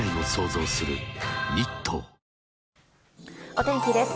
お天気です。